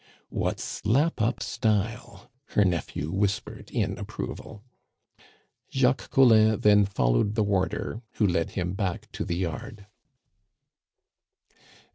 "What slap up style!" her nephew whispered in approval. Jacques Collin then followed the warder, who led him back to the yard.